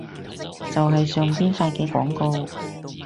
就係上邊發嘅廣告